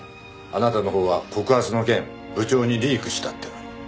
あなたのほうは告発の件部長にリークしたってのに。